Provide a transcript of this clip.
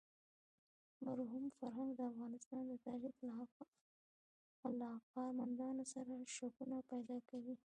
مرحوم فرهنګ د افغانستان د تاریخ له علاقه مندانو سره شکونه پیدا کوي.